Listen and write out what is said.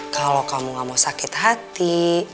kalau kamu gak mau sakit hati